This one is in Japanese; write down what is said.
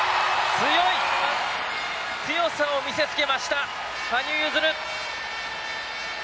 強さを見せつけました羽生結弦！